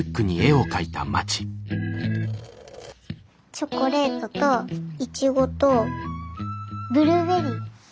チョコレートとイチゴとブルーベリー。